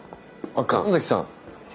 あっ神崎さん。